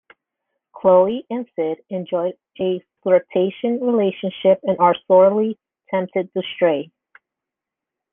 Chloe and Sid enjoy a flirtatious relationship and are sorely tempted to stray.